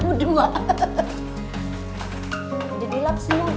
bisa berat loh